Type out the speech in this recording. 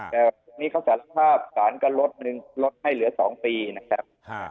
แต่ทีนี้เขาสารภาพสารก็ลดหนึ่งลดให้เหลือ๒ปีนะครับ